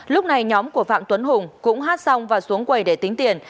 lúc này nhóm của phạm tuấn hùng cũng hát xong và xuống quầy để tính tiền